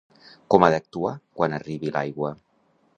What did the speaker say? Com ha d'actuar quan arribi l'aigua?